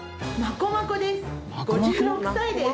５６歳です！